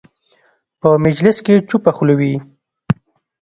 په مجلس کې چوپه خوله وي.